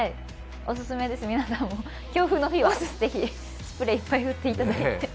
お勧めです、皆さんも強風の日はぜひスプレー振っていただいて。